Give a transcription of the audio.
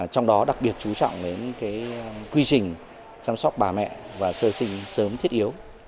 trong đó đặc biệt chú trọng đến quy trình chăm sóc bà mẹ và sơ sinh sớm thiết yếu